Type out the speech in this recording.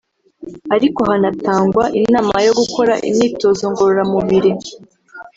Ariko hanatangwa inama yo gukora imyitozo ngororamubiri